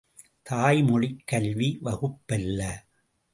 தாய்மொழிக் கல்வி வகுப்பல்ல.